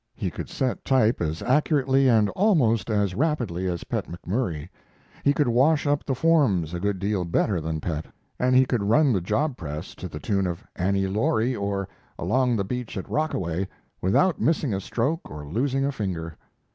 He could set type as accurately and almost as rapidly as Pet McMurry; he could wash up the forms a good deal better than Pet; and he could run the job press to the tune of "Annie Laurie" or "Along the Beach at Rockaway," without missing a stroke or losing a finger.